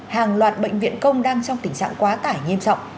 hàng loạt bệnh viện công đang trong tình trạng quá tải nghiêm trọng